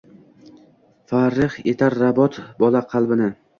Farig’ etar robot bola qalbini.